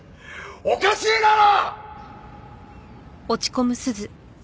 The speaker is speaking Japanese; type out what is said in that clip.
おかしいだろ！！